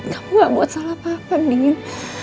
kamu gak buat salah apa apa din